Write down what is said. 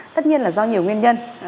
tất nhiên là do nhiều nguyên nhân